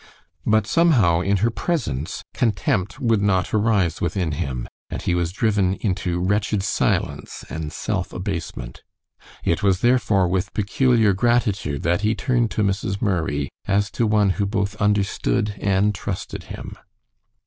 But somehow, in her presence, contempt would not arise within him, and he was driven into wretched silence and self abasement. It was, therefore, with peculiar gratitude that he turned to Mrs. Murray as to one who both understood and trusted him.